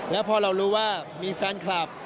แล้วพอเรารู้ว่ามีแฟนคลับ